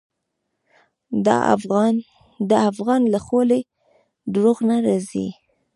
د افغان له خولې دروغ نه راځي.